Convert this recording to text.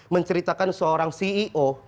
menceritakan seorang ceo